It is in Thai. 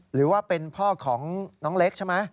หรือว่าเป็นพ่อของน้องเล็กใช่ไหม